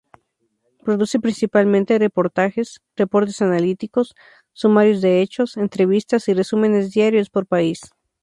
Produce principalmente reportajes, reportes analíticos, sumarios de hechos, entrevistas y resúmenes diarios por país.